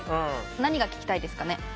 何が聴きたいですかね。